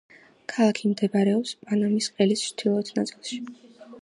ქალაქი მდებარეობს პანამის ყელის ჩრდილოეთ ნაწილში.